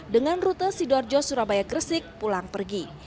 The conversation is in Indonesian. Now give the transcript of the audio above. dengan rute sidoarjo surabaya gresik pulang pergi